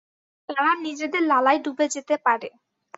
তারা নিজেদের লালায় ডুবে যেতে পারে।